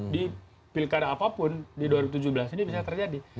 di pilkada apapun di dua ribu tujuh belas ini bisa terjadi